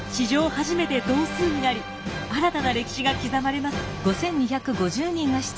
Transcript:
初めて同数になり新たな歴史が刻まれます。